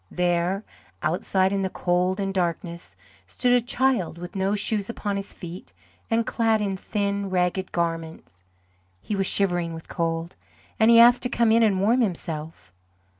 There, outside in the cold and darkness, stood a child with no shoes upon his feet and clad in thin, ragged garments. He was shivering with cold, and he asked to come in and warm himself.